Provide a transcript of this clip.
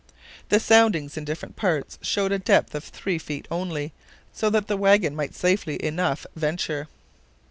The soundings in different parts showed a depth of three feet only, so that the wagon might safely enough venture.